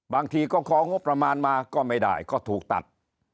บางทีก็ของงบประมาณมาก็ไม่ได้ก็ถูกตัด